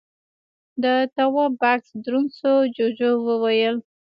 د تواب بکس دروند شو، جُوجُو وويل: